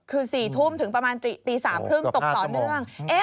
คือ๔ทุ่มถึงประมาณตี๓๓๐ตกต่อเนื่อง